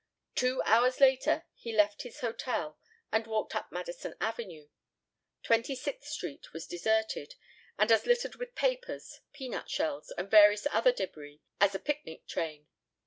Two hours later he left his hotel and walked up Madison Avenue. Twenty sixth Street was deserted and as littered with papers, peanut shells, and various other debris as a picnic train.